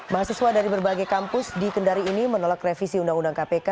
mahasiswa dari berbagai kampus di kendari ini menolak revisi undang undang kpk